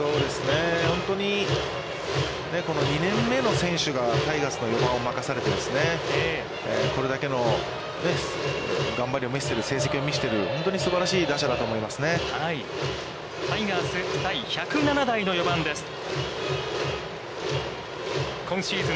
本当にこの２年目の選手がタイガースの４番を任されて、これだけの頑張りを見せている、成績を見せている本当にすばらしい打者だと思いますね。